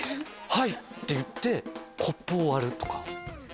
はい！って言ってコップを割るとか。